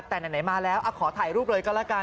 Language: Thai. แต่ไหนมาแล้วขอถ่ายรูปเลยก็แล้วกัน